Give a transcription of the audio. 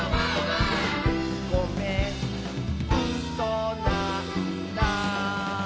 「ごめんうそなんだ」